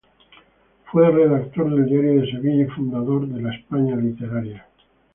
Fue redactor del "Diario de Sevilla" y fundador de "La España Literaria".